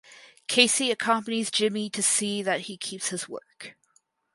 Casey accompanies Jimmy to see that he keeps his work.